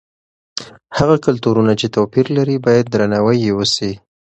هغه کلتورونه چې توپیر لري باید درناوی یې وسي.